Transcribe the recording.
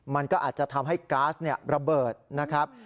มันก็อาจจะทำให้ก๊าซระเบิดนะครับ